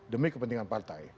demi kepentingan partai